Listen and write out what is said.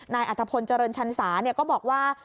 นายอัธพนธ์เจริญชันศาก็บอกว่า